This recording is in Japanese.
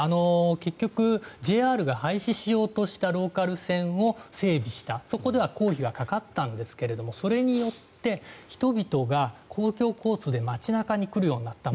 結局、ＪＲが廃止しようとしたローカル線を整備したそこでは公費がかかったんですがそれによって人々が公共交通で街中に来るようになった。